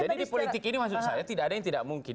jadi di politik ini maksud saya tidak ada yang tidak mungkin